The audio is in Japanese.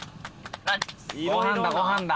ご飯だご飯だ。